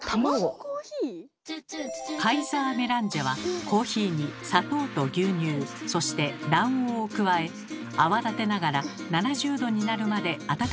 カイザーメランジェはコーヒーに砂糖と牛乳そして卵黄を加え泡立てながら７０℃になるまで温めて作ります。